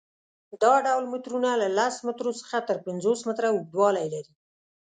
دا ډول مترونه له لس مترو څخه تر پنځوس متره اوږدوالی لري.